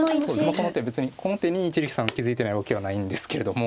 この手別にこの手に一力さん気付いてないわけはないんですけれども。